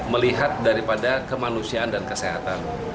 melihat daripada kemanusiaan dan kesehatan